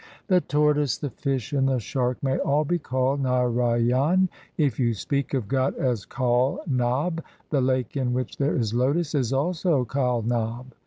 The tortoise, the fish, and the shark may all be called Narayan 2 ; if you speak of God as Kaulnabh, the lake in which there is a lotus is also Kaulnabh.